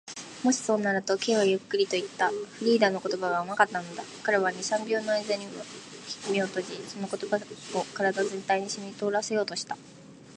「もしそうなら」と、Ｋ はゆっくりといった。フリーダの言葉が甘かったのだ。彼は二、三秒のあいだ眼を閉じ、その言葉を身体全体にしみとおらせようとした。